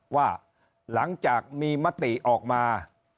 ว่าหลังจากมีมติออกมา